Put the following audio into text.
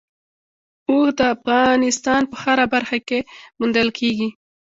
اوښ د افغانستان په هره برخه کې موندل کېږي.